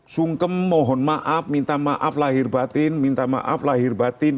sungkem mohon maaf minta maaf lahir batin minta maaf lahir batin